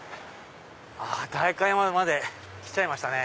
代官山まで来ちゃいましたね。